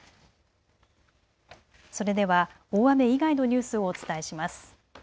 それでは大雨以外のニュースをお伝えします。